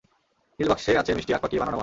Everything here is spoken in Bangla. নীল বাক্সে আছে মিষ্টি আখ পাকিয়ে বানানো মদ।